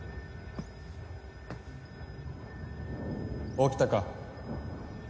起きたか。